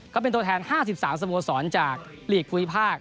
ก็เป็นตัวแทน๕๓สโมสรจากหลีกภูมิภาค